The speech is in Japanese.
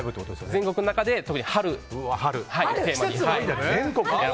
全国の中で特に春をテーマに。